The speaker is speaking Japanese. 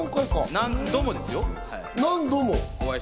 何度もですよ。